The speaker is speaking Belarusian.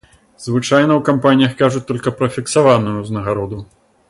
Звычайна ў кампаніях кажуць толькі пра фіксаваную ўзнагароду.